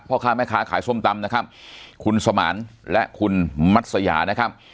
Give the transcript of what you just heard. พ่อค้าแม่ค้าขายส้มตำนะครับคุณสมานและคุณมัศยานะครับ